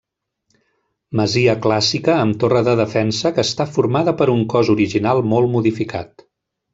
Masia clàssica amb torre de defensa que està formada per un cos original molt modificat.